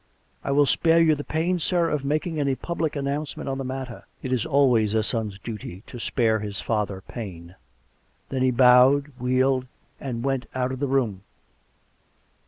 It will spare you the pain, sir, of making anjr 48 COME RACK! COME ROPE! public announcement on the matter. It is always a son's duty to spare his father pain." Then he bowed, wheeled, and went out of the room.